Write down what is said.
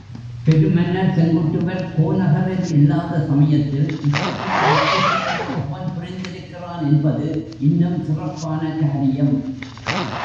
பெருமன்னர் செங்குட்டுவர் கோநகரில் இல்லாத சமயத்தில் இத்தகைய வெற்றிச் செயலை அவன் புரிந்திருக்கிறான் என்பது இன்னும் சிறப்பான காரியம்.